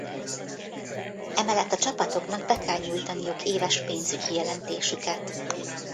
Emellett a csapatoknak be kell nyújtaniuk éves pénzügyi jelentésüket.